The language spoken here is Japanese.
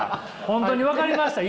本当に分かりました？